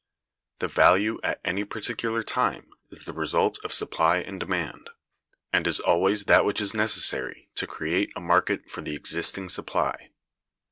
The value at any particular time is the result of supply and demand, and is always that which is necessary to create a market for the existing supply.